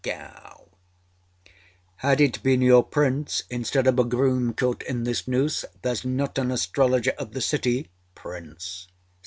GOW.âHad it been your Prince instead of a groom caught in this noose thereâs not an astrologer of the cityââ PRINCE.